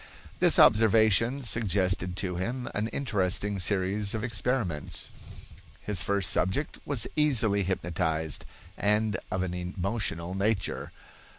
This observation suggested to him an interesting series of experiments. His first subject was easily hypnotized, and of an emotional nature.